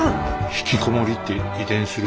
ひきこもりって遺伝する？